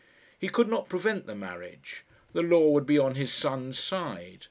He could not prevent the marriage. The law would be on his son's side.